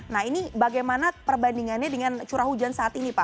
nah ini bagaimana perbandingannya dengan curah hujan saat ini pak